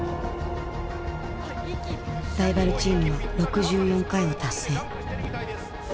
ライバルチームは６４回を達成。